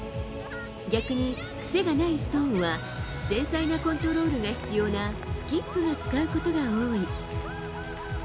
逆に癖がないストーンは繊細なコントロールが必要なスキップが使うことが多い。